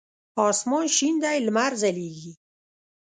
اسمان شین دی لمر ځلیږی